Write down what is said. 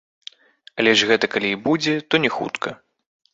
Але ж гэта калі і будзе, то не хутка.